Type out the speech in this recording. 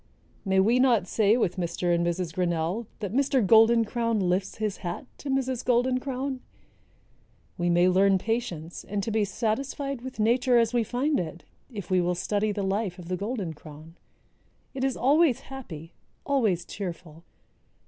May we not say with Mr. and Mrs. Grinnell that Mr. Golden crown lifts his hat to Mrs. Golden crown? We may learn patience and to be satisfied with nature as we find it, if we will study the life of the Golden crown. It is always happy, always cheerful.